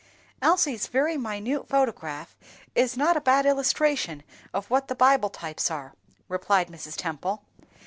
"Elsie's very minute photograph is not a bad illustration of what Bible types are," remarked Mrs. Temple.